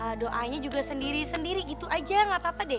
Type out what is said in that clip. ya doanya juga sendiri sendiri gitu aja gak apa apa deh